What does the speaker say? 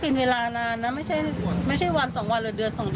เขาบอกโอ้ยไม่มีอะไรแล้ว